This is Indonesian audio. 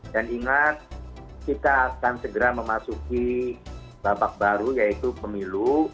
dan ingat kita akan segera memasuki babak baru yaitu pemilu